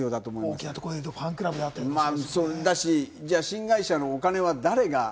大きなところだと、ファンクラブであったりとかね。